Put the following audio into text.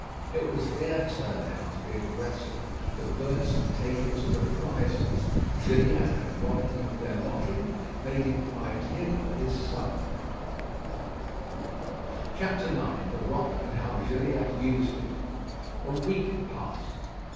It was their turn now to be aggressive. The birds had taken to reprisals. Gilliatt had robbed them of their lodging, they deprived him of his supper. IX THE ROCK, AND HOW GILLIATT USED IT A week passed.